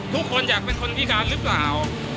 ทุกคนอยากเป็นคนพิการหรือเปล่า